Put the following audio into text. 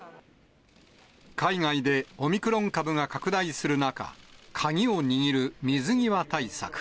海外でオミクロン株が拡大する中、鍵を握る水際対策。